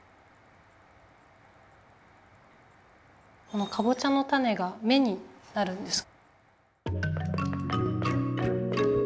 このかぼちゃの種が目になるんです。